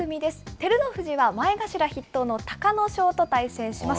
照ノ富士は前頭筆頭の隆の勝と対戦します。